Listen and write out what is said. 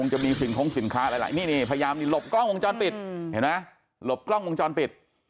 เห็นไหมลบกล้องวงจรปิด